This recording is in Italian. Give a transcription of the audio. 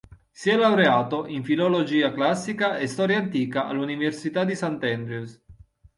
Si è laureato in filologia classica e storia antica all'Università di St. Andrews.